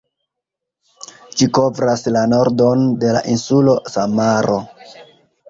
Ĝi kovras la nordon de la insulo Samaro.